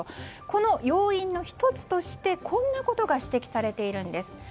この要因の１つとしてこんなことが指摘されているんです。